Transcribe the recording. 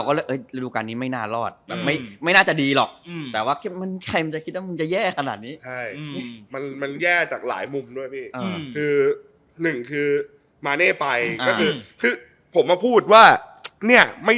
ตอนนี้ตอนนี้หรอเงียบ